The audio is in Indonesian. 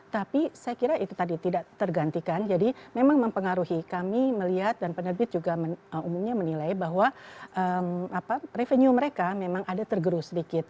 tapi saya kira itu tadi tidak tergantikan jadi memang mempengaruhi kami melihat dan penerbit juga umumnya menilai bahwa revenue mereka memang ada tergerus sedikit